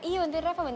iya bantuin reva